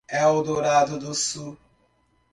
Eldorado do Sul